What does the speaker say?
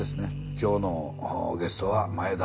今日のゲストは眞栄田